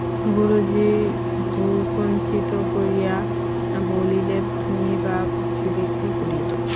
গুরুজি ভ্রূকুঞ্চিত করিয়া বলিলেন, তুমিই বা বুঝিবে কী করিয়া?